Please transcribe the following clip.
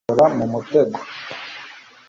ugomba kwibohora mu mutego